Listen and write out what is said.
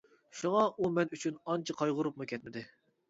شۇڭا ئۇ مەن ئۈچۈن ئانچە قايغۇرۇپمۇ كەتمىدى.